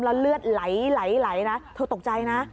แล้วเลือดไหลนะเธอตกใจนะ